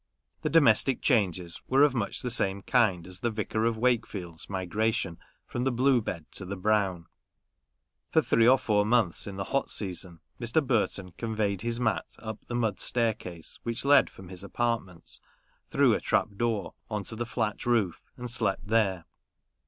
The domestic changes were of much the same kind as the Vicar of Wakefield's migration from the blue bed to the brown : for three or four months in the hot season, Mr. Burton conveyed his mat up the mud staircase which led from his apartments through a trap door on to the flat roof, and slept there.